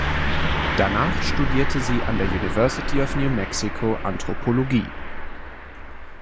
Danach studierte sie an der University of New Mexico Anthropologie.